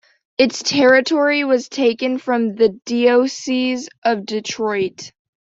Its territory was taken from the Diocese of Detroit.